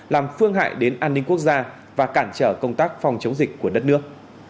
làm phương hại đến an ninh quốc gia và cản trở công tác phòng chống dịch của đất nước